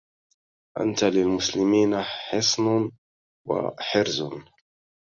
أنت للمسلمين حصن وحرز